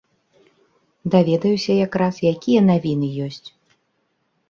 — Даведаюся якраз, якія навіны ёсць.